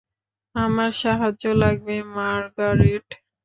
আমার সাহায্য লাগবে, মার্গারেট।